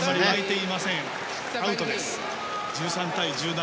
１３対１７。